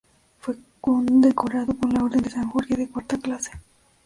Fue condecorado con la Orden de San Jorge de cuarta clase.